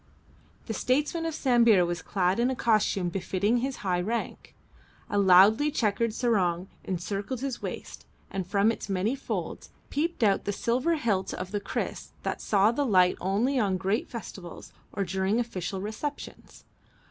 The statesman of Sambir was clad in a costume befitting his high rank. A loudly checkered sarong encircled his waist, and from its many folds peeped out the silver hilt of the kriss that saw the light only on great festivals or during official receptions.